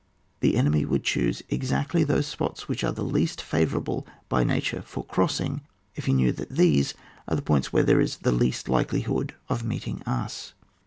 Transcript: The enemy would choose exactly those spots which are the least favour able by nature for crossing, if he knew that these are the points where there is the least likelihood of meeting us.